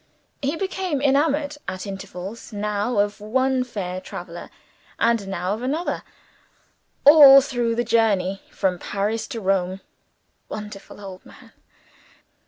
He became enamored, at intervals, now of one fair traveler and now of another, all through the journey from Paris to Rome. (Wonderful old man!)